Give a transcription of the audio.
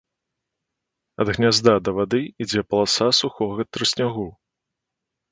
Ад гнязда да вады ідзе паласа сухога трыснягу.